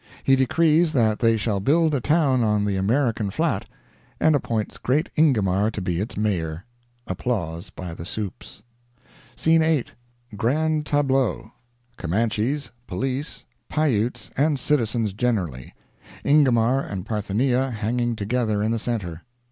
He decrees that they shall build a town on the American Flat, and appoints great Ingomar to be its Mayor! [Applause by the supes.] Scene 8.—Grand tableau—Comanches, police, Pi Utes, and citizens generally—Ingomar and Parthenia hanging together in the centre.